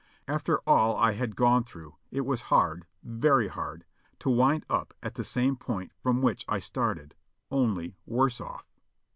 After all I had gone through, it was hard, very hard, to wind vip at the same point from which I started, only worse ofif.